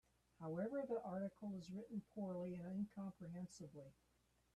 However, the article is written poorly and incomprehensibly.